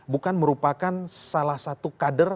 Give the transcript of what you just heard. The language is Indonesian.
bukan merupakan salah satu kader